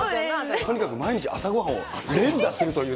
とにかく毎日、朝ごはんを連打するという。